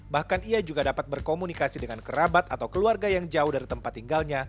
bahkan ia juga dapat berkomunikasi dengan kerabat atau keluarga yang jauh dari tempat tinggalnya